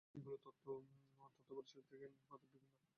এগুলো তথ্য, তত্ত্ব ও পরিসরের দিকে হতে বিভিন্ন।